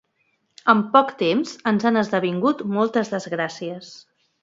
En poc temps ens han esdevingut moltes desgràcies.